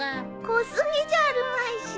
小杉じゃあるまいし。